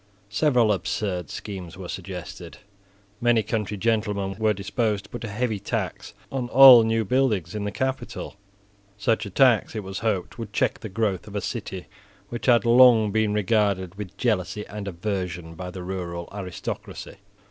Several absurd schemes were suggested. Many country gentlemen were disposed to put a heavy tax on all new buildings in the capital. Such a tax, it was hoped, would check the growth of a city which had long been regarded with jealousy and aversion by the rural aristocracy.